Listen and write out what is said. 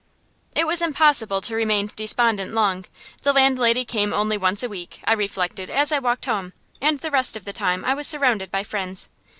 It was impossible to remain despondent long. The landlady came only once a week, I reflected, as I walked, and the rest of the time I was surrounded by friends.